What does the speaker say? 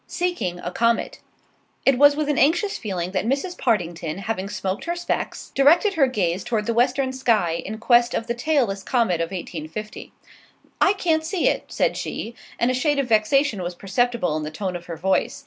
SEEKING A COMET It was with an anxious feeling that Mrs. Partington, having smoked her specs, directed her gaze toward the western sky, in quest of the tailless comet of 1850. "I can't see it," said she; and a shade of vexation was perceptible in the tone of her voice.